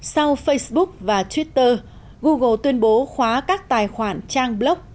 sau facebook và twitter google tuyên bố khóa các tài khoản trang blog